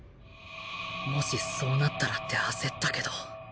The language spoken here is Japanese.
もしそうなったらって焦ったけど